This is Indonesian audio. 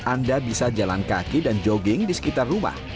anda bisa jalan kaki dan jogging di sekitar rumah